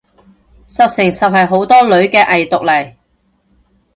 十成十係好多女嘅偽毒嚟